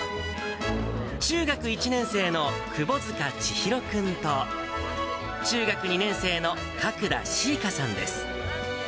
中学１年生の窪塚ちひろ君と、中学２年生の角田しいかさんです。